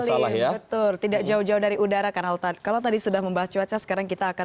betul tidak jauh jauh dari udara karena kalau tadi sudah membahas cuaca sekarang kita akan